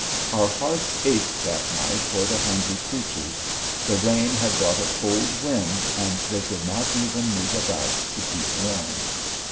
Our hearts ached that night for the hungry creatures; the rain had brought a cold wind and they could not even move about to keep warm.